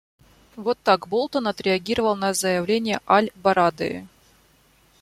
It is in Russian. Вот так Болтон отреагировал на заявление аль-Барадеи.